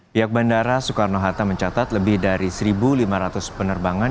pihak bandara soekarno hatta mencatat lebih dari satu lima ratus penerbangan